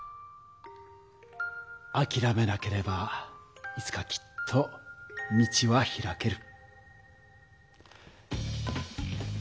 あきらめなければいつかきっと道は開ける。